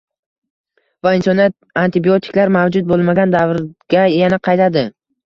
va insoniyat antibiotiklar mavjud bo‘lmagan davrga yana qaytadi.